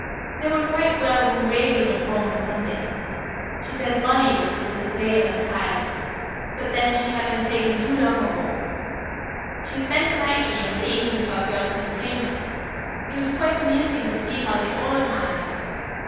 "They were quite well when Waveney went home on Sunday. She said Mollie was a little pale and tired; but then, she had been taking too long a walk. She spent a night here on the evening of our girls' entertainment. It was quite amusing to see how they all admired her.